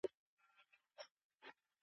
هغوی د خپل ځواک ساتلو لپاره ډېرې هڅي کولې.